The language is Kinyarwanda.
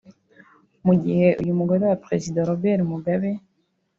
Mu gihe uyu mugore wa Perezida Robert Mugabe